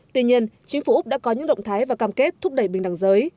tuy nhiên chính phủ úc đã có những động thái và cam kết thúc đẩy bình đẳng giới